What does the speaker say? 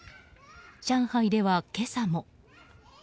上海では今朝も。